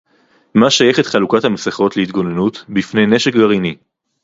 מה שייכת חלוקת המסכות להתגוננות בפני נשק גרעיני